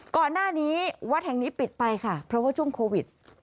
ก่อนหน้านี้วัดแห่งนี้ปิดไปค่ะเพราะว่าช่วงโควิด